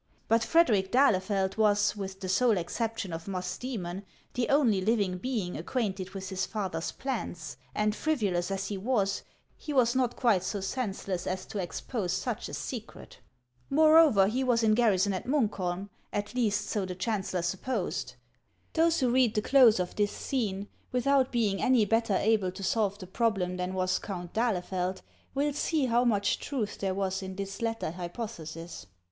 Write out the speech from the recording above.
But Frederic d'Ahlefeld was, with the sole exception of Mus dcemon, the only living being acquainted with his father's plans, and frivolous as he was, he was not quite so sense less as to expose such a secret. Moreover, he was in gar rison at Munkholm, at least so the chancellor supposed. Those who read the close of this scene, without being any better able to solve the problem than was Count d'Ahle feld, will see how much truth there was in this latter hypothesis.